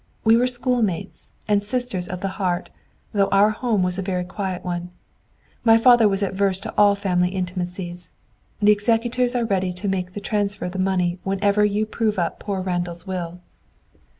We were schoolmates, and sisters of the heart, though our home was a very quiet one. My father was averse to all family intimacies. The executors are ready to make the transfer of the money whenever you prove up poor Randall's will."